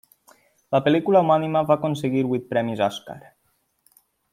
La pel·lícula homònima va aconseguir vuit premis Oscar.